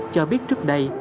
cho biết trước đây